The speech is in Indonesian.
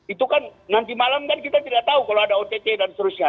itu kan nanti malam kan kita tidak tahu kalau ada ott dan seterusnya